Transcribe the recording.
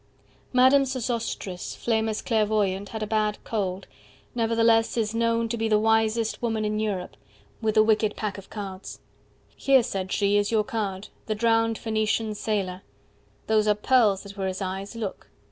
Madame Sosostris, famous clairvoyante, Had a bad cold, nevertheless Is known to be the wisest woman in Europe, 45 With a wicked pack of cards. Here, said she, Is your card, the drowned Phoenician Sailor, (Those are pearls that were his eyes. Look!)